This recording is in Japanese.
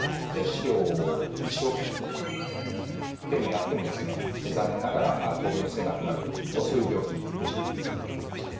治療を一生懸命やっても残念ながら闘病の末亡くなるという病気でした。